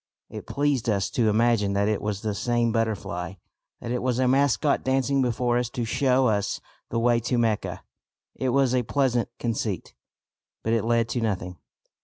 It pleased us to imagine that it was the same butterfly, that it was a mascot dancing before us to show us the way to Mecca. It was a pleasant conceit, but it led to nothing.